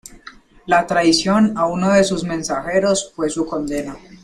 La traición a uno de sus mensajeros fue su condena.